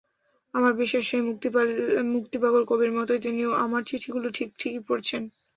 আমার বিশ্বাস, সেই মুক্তিপাগল কবির মতোই তিনিও আমার চিঠিগুলো ঠিক ঠিকই পড়েছেন।